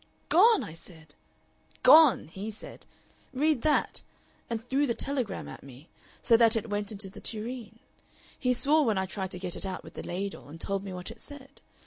'Gone!' I said. 'Gone!' he said. 'Read that,' and threw the telegram at me, so that it went into the tureen. He swore when I tried to get it out with the ladle, and told me what it said.